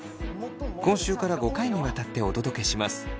今週から５回にわたってお届けします。